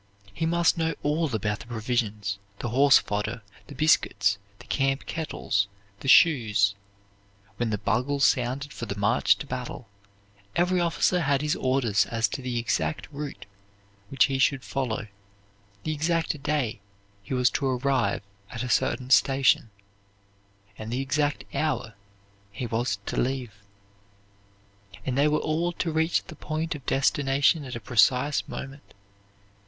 He must know all about the provisions, the horse fodder, the biscuits, the camp kettles, the shoes. When the bugle sounded for the march to battle, every officer had his orders as to the exact route which he should follow, the exact day he was to arrive at a certain station, and the exact hour he was to leave, and they were all to reach the point of destination at a precise moment.